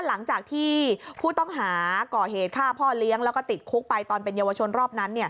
หลังจากที่ผู้ต้องหาก่อเหตุฆ่าพ่อเลี้ยงแล้วก็ติดคุกไปตอนเป็นเยาวชนรอบนั้น